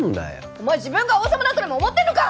お前自分が王様だとでも思ってんのか！